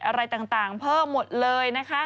อะไรต่างเพิ่มหมดเลยนะคะ